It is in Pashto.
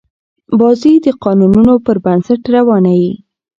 بازي د قانونونو پر بنسټ روانه يي.